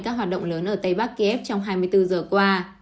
các hoạt động lớn ở tây bắc kiev trong hai mươi bốn giờ qua